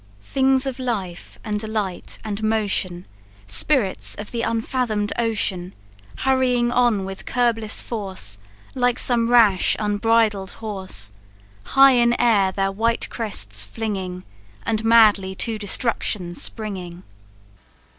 "Things of life, and light, and motion, Spirits of the unfathom'd ocean, Hurrying on with curbless force, Like some rash unbridled horse; High in air their white crests flinging, And madly to destruction springing."